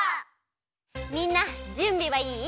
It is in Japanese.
みんなじゅんびはいい？